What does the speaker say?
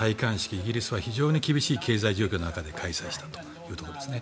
イギリスは非常に厳しい経済状況の中で開催したというところですね。